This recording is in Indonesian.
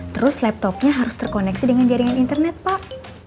terus laptopnya harus terkoneksi dengan jaringan internet pak